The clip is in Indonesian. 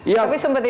tapi sempat ini